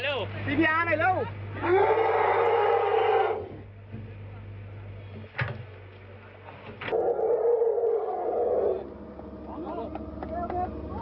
สวัสดีครับคุณผู้ชาย